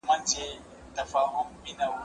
زه له سهاره کتابونه وړم